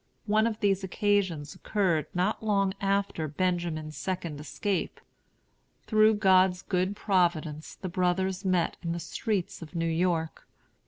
One of these occasions occurred not long after Benjamin's second escape. Through God's good providence the brothers met in the streets of New York.